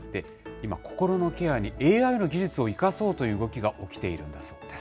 今、心のケアにＡＩの技術を生かそうという動きが起きているんだそうです。